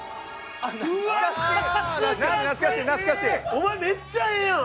お前めっちゃええやん！